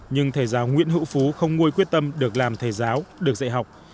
nhưng thầy giáo nguyễn hữu phú không nguôi quyết tâm được làm thầy giáo được dạy học